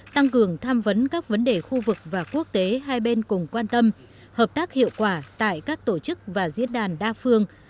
tăng cường tham vấn các vấn đề khu vực và quốc tế hai bên cùng quan tâm hợp tác hiệu quả tại các tổ chức và diễn đàn đa phương